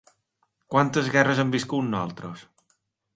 Quantes guerres hem viscut, nosaltres?